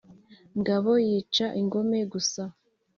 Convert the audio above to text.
Ngabo yica ingome gusa